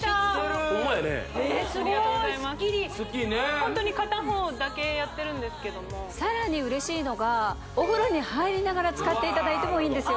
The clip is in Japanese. ホントに片方だけやってるさらにうれしいのがお風呂に入りながら使っていただいてもいいんですよ